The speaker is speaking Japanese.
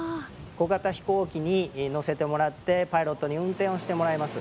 小型飛行機に乗せてもらってパイロットに運転をしてもらいます。